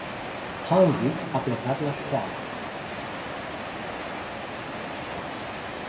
Hanvi a plecat la scoala.